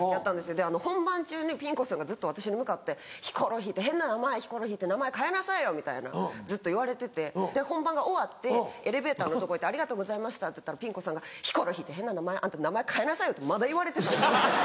で本番中にピン子さんがずっと私に向かって「ヒコロヒーって変な名前名前変えなさいよ」みたいなずっと言われててで本番が終わってエレベーターのとこ行って「ありがとうございました」っつったらピン子さんが「ヒコロヒーって変な名前あんた名前変えなさいよ」ってまだ言われてたんですよ私。